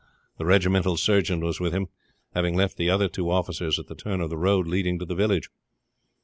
The regimental surgeon was with him, having left the other two officers at the turn of the road leading to the village.